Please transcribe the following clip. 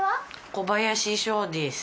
小林翔です。